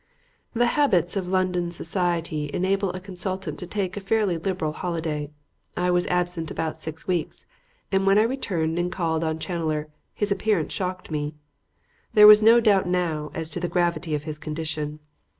The habits of London society enable a consultant to take a fairly liberal holiday. I was absent about six weeks, and when I returned and called on Challoner, his appearance shocked me. There was no doubt now as to the gravity of his condition.